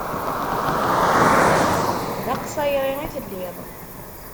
D aqṣayri i telliḍ.